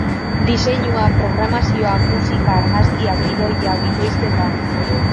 Diseinua, programazioa, musika, argazkiak, gidoia, bikoizketa...